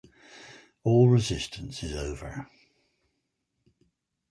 All resistance is over.